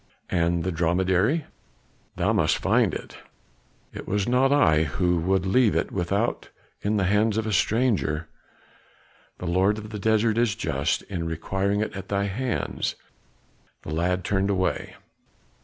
"And the dromedary?" "Thou must find it. It was not I who would leave it without in the hands of a stranger. The lord of the desert is just in requiring it at thy hands." The lad turned away.